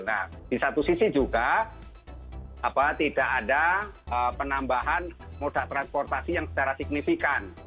nah di satu sisi juga tidak ada penambahan modal transportasi yang secara signifikan